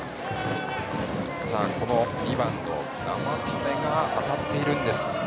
２番の生田目が当たっているんです。